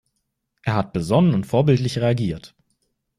Er hat besonnen und vorbildlich reagiert.